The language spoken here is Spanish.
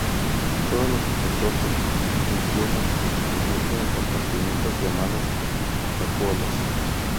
Todos los protozoos digieren su alimento en compartimientos llamados vacuolas.